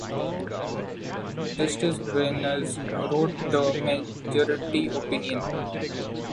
Justice Byrnes wrote the majority opinion.